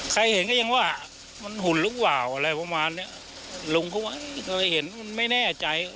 ใครเห็นก็ยังว่ามันหุ่นหรือเปล่าอะไรประมาณเนี้ยลุงก็ว่าเคยเห็นมันไม่แน่ใจ